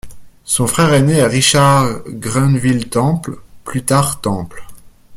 Son frère aîné est Richard Grenville-Temple, plus tard Temple.